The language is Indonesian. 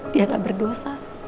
dia gak berdosa